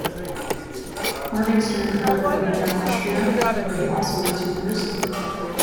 Morgenstern grew up in Vienna, Austria, where he also went to university.